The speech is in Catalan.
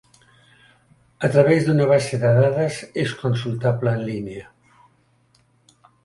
A través d'una base de dades és consultable en línia.